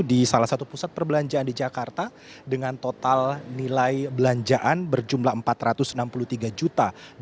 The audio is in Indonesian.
di salah satu pusat perbelanjaan di jakarta dengan total nilai belanjaan berjumlah empat ratus enam puluh tiga juta